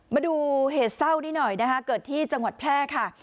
มาดูเหตุเศร้านิดหน่อยนะคะเกิดที่จังหวัดแพร่ค่ะ